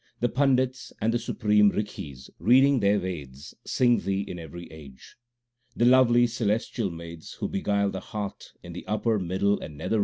The Pandits and the supreme Rikhis, reading their Veds, sing Thee in every age. The lovely celestial maids who beguile the heart in the upper, middle, and nether regions sing Thee.